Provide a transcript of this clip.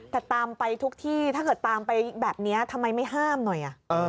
แต่ตามไปทุกที่ถ้าเกิดตามไปแบบนี้ทำไมไม่ห้ามหน่อย